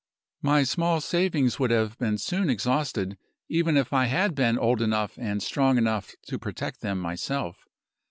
"My small savings would have been soon exhausted, even if I had been old enough and strong enough to protect them myself.